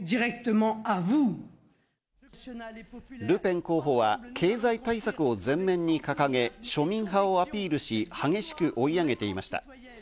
ルペン候補は経済対策を前面に掲げ、庶民派をアピールし、激しく追い上げていました。